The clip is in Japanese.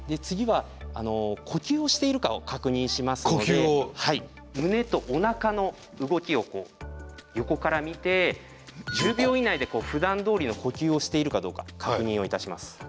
次は呼吸をしているかを確認しますので胸とお腹の動きを横から見て１０秒以内でふだんどおりの呼吸をしているかどうか確認をいたします。